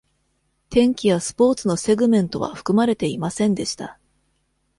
天気やスポーツのセグメントは含まれていませんでした。